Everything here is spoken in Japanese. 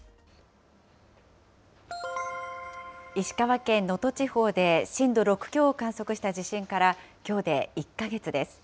石川県能登地方で、震度６強を観測した地震からきょうで１か月です。